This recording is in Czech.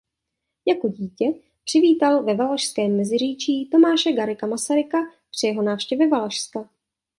Jako dítě přivítal ve Valašském Meziříčí Tomáše Garrigue Masaryka při jeho návštěvě Valašska.